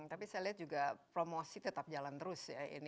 tapi saya lihat juga promosi tetap jalan terus ya ini